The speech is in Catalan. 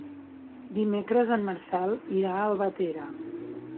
Dimecres en Marcel irà a Albatera.